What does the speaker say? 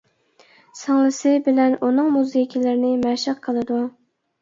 سىڭلىسى بىلەن ئۇنىڭ مۇزىكىلىرىنى مەشىق قىلىدۇ.